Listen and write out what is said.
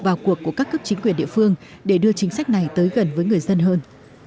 vào cuộc của các cấp chính quyền địa phương để đưa chính sách này tới gần với người dân hơn